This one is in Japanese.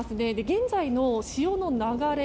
現在の潮の流れ